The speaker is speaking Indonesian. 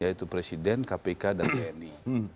yaitu presiden kpk dan tni